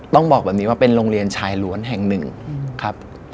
ต้องบอกแบบนี้ว่าเป็นโรงเรียนชายล้วนแห่งหนึ่งครับ